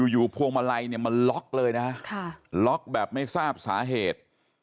อยู่พวงมาลัยมันล็อกเลยนะฮะล็อกแบบไม่ทราบสาเหตุ